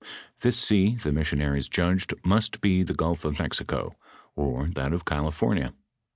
This sea the mis sionaries judged must be the gulf of Mexico, or that of Call fornia.